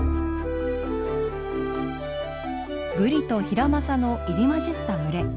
ブリとヒラマサの入り交じった群れ。